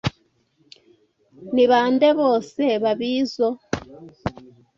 Ni bande bose babizo?